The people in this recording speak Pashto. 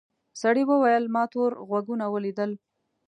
سړي وویل ما تور غوږونه ولیدل.